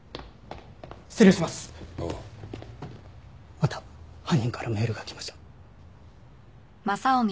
また犯人からメールがきました。